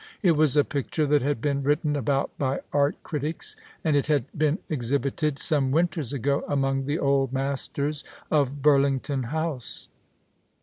It was a picture that had been written about by art critics, and it had been exhibited some winters ago among the old masters at Burlington House.